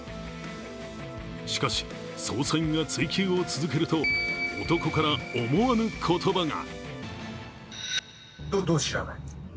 しかし捜査員が追及を続けると男から思わぬ言葉が。